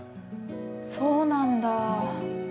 そうなんだ。